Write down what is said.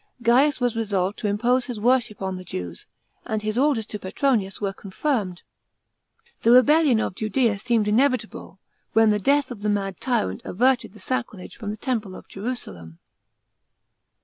Gaius was resolved to impose his worship on the Jews, and his orders to Petronius were confirmed. The "ebellion of Judea seemed inevitable, when the death of the mad tyrant averted the sacrilege from the temple of Jerusalem.